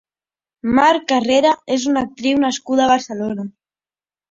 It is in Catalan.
Mar Carrera és una actriu nascuda a Barcelona.